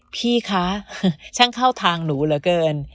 พี่คะช่างเข้าทางหนูเหลือเกิน